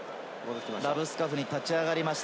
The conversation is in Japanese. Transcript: ラブスカフニ立ち上がりました。